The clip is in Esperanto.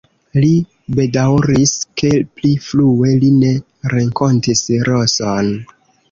Li bedaŭris, ke pli frue li ne renkontis Roson.